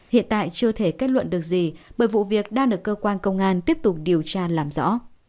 hiện tại chưa thể kết luận được gì bởi vụ việc đang được cơ quan công an tiếp tục điều tra làm rõ